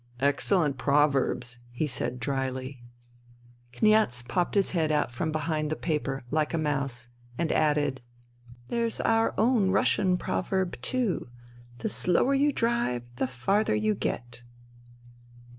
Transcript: "" Excellent proverbs !" he said dryly. Kniaz popped his head out from behind the paper, like a mouse, and added, " There's our own Russian proverb, too :' The slower you drive the farther you get.'